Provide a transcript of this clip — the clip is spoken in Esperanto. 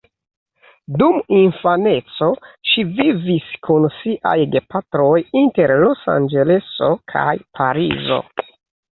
Dum infaneco ŝi vivis kun siaj gepatroj inter Los-Anĝeleso kaj Parizo.